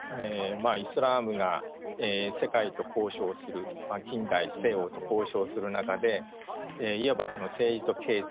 イスラームが世界と交渉する近代西欧と交渉する中でいわば政治と経済